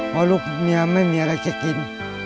เพราะลูกเมียไม่มีอะไรจะกิน